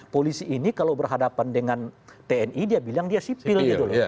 polisi ini kalau berhadapan dengan tni dia bilang dia sipil gitu loh